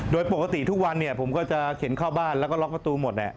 โดยปกติทุกวันเนี่ยผมก็จะเข็นเข้าบ้านแล้วก็ล็อกประตูหมด